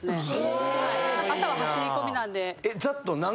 朝は走り込みなんで。